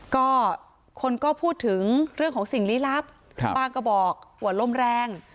ก็คนก็พูดถึงเรื่องของสิ่งลี้ลับบ้างก็บอกว่าลมแรง